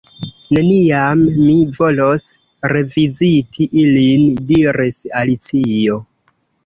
"Neniam mi volos reviziti ilin " diris Alicio.